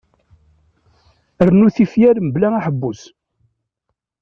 Rnu tifyar mebla aḥebbus.